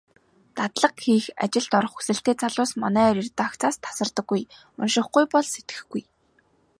Дадлага хийх, ажилд орох хүсэлтэй залуус манай редакцаас тасардаггүй. УНШИХГҮЙ БОЛ СЭТГЭХГҮЙ.